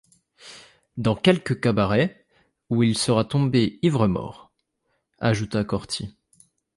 Dans quelque cabaret, où il sera tombé ivre-mort!... ajouta Corty.